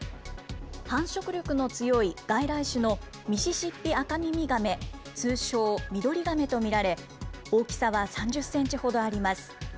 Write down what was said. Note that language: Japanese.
繁殖力の強い、外来種のミシシッピアカミミガメ、通称ミドリガメと見られ、大きさは３０センチほどあります。